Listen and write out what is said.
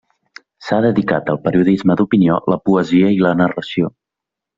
S'ha dedicat al periodisme d’opinió, la poesia i la narració.